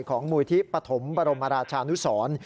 มูลที่ปฐมบรมราชานุสร